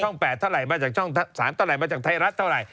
๘เท่าไหรมาจากช่อง๓เท่าไหรมาจากไทยรัฐเท่าไหร